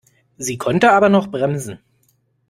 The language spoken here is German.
Sie konnte aber noch bremsen.